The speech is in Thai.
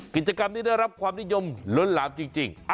กิจกรรมนี้ได้รับความนิยมล้นหลามจริง